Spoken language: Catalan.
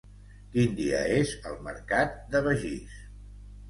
Quin dia és el mercat de Begís?